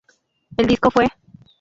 El disco fue